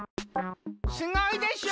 すごいでしょ！